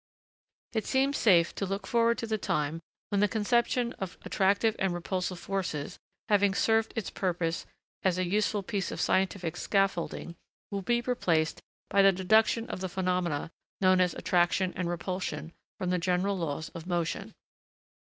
It seems safe to look forward to the time when the conception of attractive and repulsive forces, having served its purpose as a useful piece of scientific scaffolding, will be replaced by the deduction of the phenomena known as attraction and repulsion, from the general laws of motion.